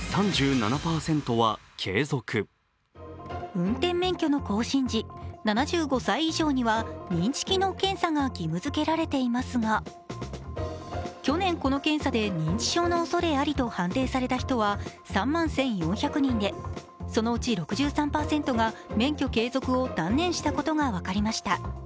運転免許の更新時、７５歳以上には認知機能検査が義務付けられていますが去年、この検査で認知症のおそれありと判定された人は３万１４００人でそのうち６３％が免許継続を断念したことが分かりました。